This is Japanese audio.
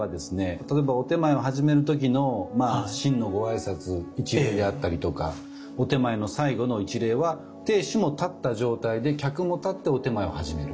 例えばお点前を始める時の「真」のご挨拶一礼であったりとかお点前の最後の一礼は亭主も立った状態で客も立ってお点前を始める。